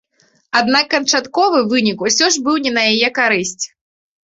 Аднак канчатковы вынік усё ж быў не на яе карысць.